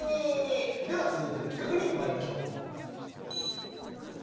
では続いての企画に参りましょう。